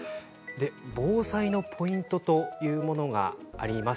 防災のポイントというものがあります。